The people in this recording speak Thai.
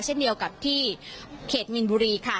เช่นเดียวกับที่เขตมินบุรีค่ะ